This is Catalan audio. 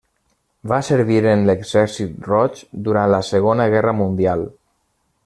Va servir en l'Exèrcit Roig durant la Segona Guerra Mundial.